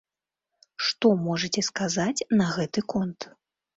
Што можаце сказаць на гэты конт?